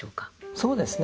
そうですね